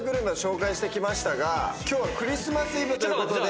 今日はクリスマスイブということで。